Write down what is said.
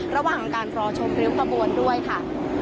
ระหว่างการรอชมริ้วขบวนด้วยค่ะ